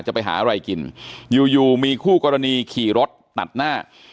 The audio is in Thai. จะไปหาอะไรกินอยู่อยู่มีคู่กรณีขี่รถตัดหน้า